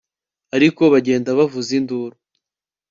ari ko bagenda bavuza induru